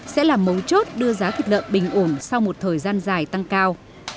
sẽ là mấu chốt đưa giá thịt lợn bình ổn sau một thời gian dài tăng cao